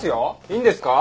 いいんですか？